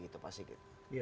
itu pak sigi